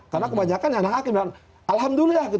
karena kebanyakan anak hakim alhamdulillah